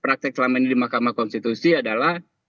praktek selama ini di mahkamah konstitusi adalah